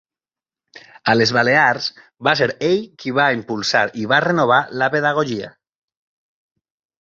A les Balears va ser ell qui va impulsar i va renovar la pedagogia.